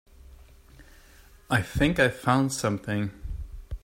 I think I found something.